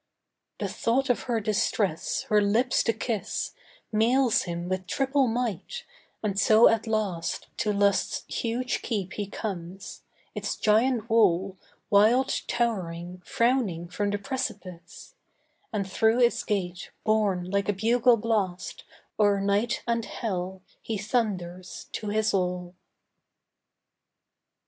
The thought of her distress, her lips to kiss, Mails him with triple might; and so at last To Lust's huge keep he comes; its giant wall, Wild towering, frowning from the precipice; And through its gate, borne like a bugle blast, O'er night and hell he thunders to his all.